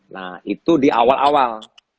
nah itu di awal awal